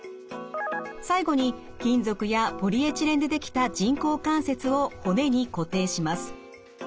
最後に金属やポリエチレンでできた人工関節を骨に固定します。